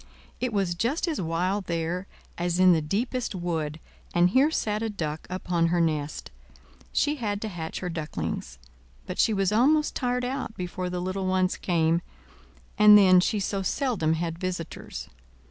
It was just as wild there as in the deepest wood, and here sat a Duck upon her nest; she had to hatch her ducklings; but she was almost tired out before the little ones came; and then she so seldom had visitors.